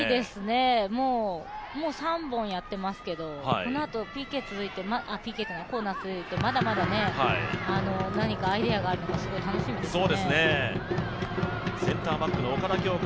もう３本やってますけどこのあとコーナー続くと、まだまだ何かアイデアがあるのか、すごい楽しみですね。